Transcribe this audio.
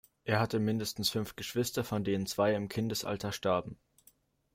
Er hatte mindestens fünf Geschwister, von denen zwei im Kindesalter starben.